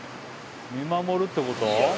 見守るってこと？